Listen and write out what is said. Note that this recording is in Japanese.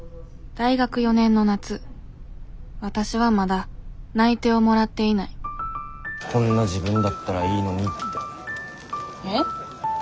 大学４年の夏わたしはまだ内定をもらっていない「こんな自分だったらいいのに」って。え？